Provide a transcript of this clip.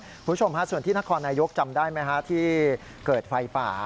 คุณผู้ชมฮะส่วนที่นครนายกจำได้ไหมฮะที่เกิดไฟป่า